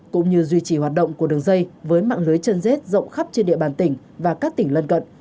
cũng như duy trì hoạt động của đường dây với mạng lưới chân dết rộng khắp trên địa bàn tỉnh và các tỉnh lân cận